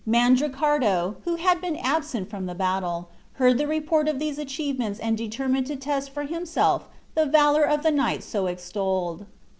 Mandricardo, who had been absent from the battle, heard the report of these achievements and determined to test for himself the valor of the knight so extolled.